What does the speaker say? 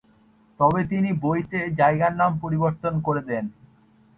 তবে তিনি বইতে জায়গার নাম পরিবর্তন করে দেন।